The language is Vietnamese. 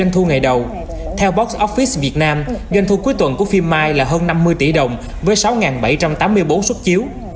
theo box office việt nam doanh thu cuối tuần của phim mai là hơn năm mươi tỷ đồng với sáu bảy trăm tám mươi bốn xuất chiếu